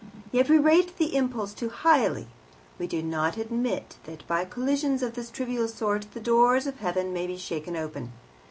Yet we rate the impulse too highly. We do not admit that by collisions of this trivial sort the doors of heaven may be shaken open.